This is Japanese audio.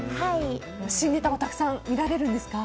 新ネタもたくさん見られるんですか？